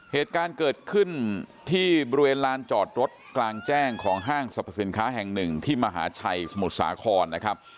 เหตุการณ์เกิดขึ้นที่บริเวณลานจอดรถกลางแจ้งของห้างสรรพสินค้าแห่งหนึ่งที่มหาชัยสมุทรสาครนะครับ